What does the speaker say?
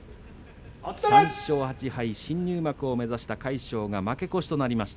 ３勝８敗、新入幕を目指した魁勝が負け越しとなりました。